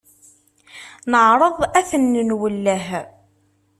Neɛreḍ ad ten-nwelleh.